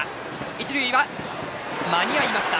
一塁は間に合いました。